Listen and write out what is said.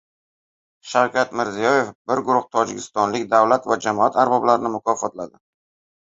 Shavkat Mirziyoyev bir guruh tojikistonlik davlat va jamoat arboblarini mukofotladi